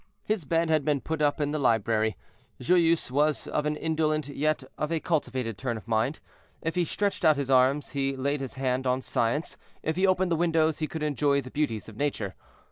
His bed had been put up in the library. Joyeuse was of an indolent, yet of a cultivated turn of mind. If he stretched out his arm he laid his hand on science; if he opened the windows he could enjoy the beauties of nature.